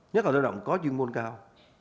nhất là lao động có chuyên môn cao